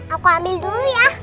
aku ambil dulu ya